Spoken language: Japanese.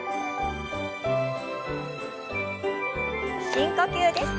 深呼吸です。